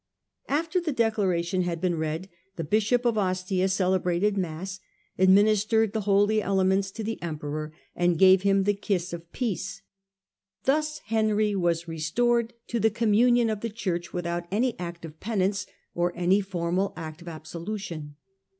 After the declaration had been read, the bishop of Ostia celebrated mass, administered the holy elements to the emperor, and gave him the kiss of peace. Thus Henry was restored to the communion of the Church without any act of penance, or any formal act of abso lution.